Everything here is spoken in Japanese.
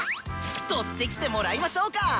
とってきてもらいましょうか！